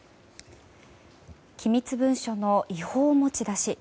機密文書の違法持ち出し。